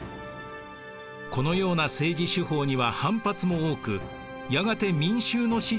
このような政治手法には反発も多くやがて民衆の支持も失います。